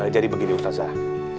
jadi begini ustazah